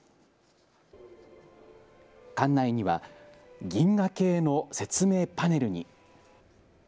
館内には銀河系の説明パネルに。